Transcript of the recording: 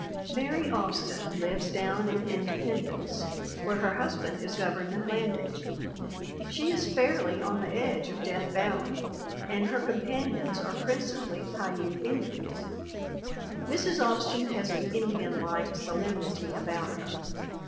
"Mary Austin lives down in Independence, where her husband is Government land agent. She is fairly on the edge of Death Valley, and her companions are principally Piute Indians. ... Mrs. Austin has an Indian like solemnity about her.